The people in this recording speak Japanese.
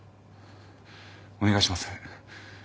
お願いします。